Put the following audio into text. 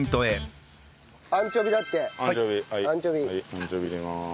アンチョビ入れます。